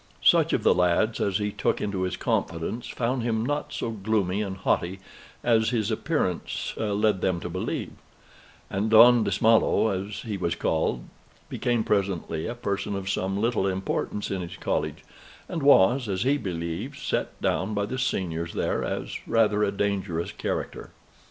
Such of the lads as he took into his confidence found him not so gloomy and haughty as his appearance led them to believe; and Don Dismallo, as he was called, became presently a person of some little importance in his college, and was, as he believes, set down by the seniors there as rather a dangerous character.